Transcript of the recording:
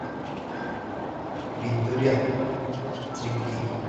Vitoria Txiki.